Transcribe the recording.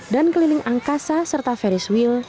dan keliling angkasa serta ferris wheel